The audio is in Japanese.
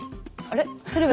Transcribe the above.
あれ？